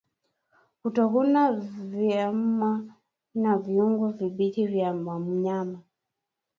Kutokula nyama na viungo vibichi vya mnyama